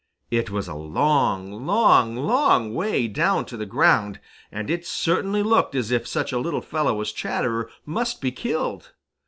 It was a long, long, long way down to the ground, and it certainly looked as if such a little fellow as Chatterer must be killed.